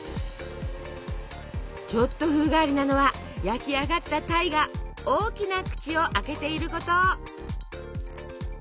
ちょっと風変わりなのは焼き上がった鯛が大きな口を開けていること。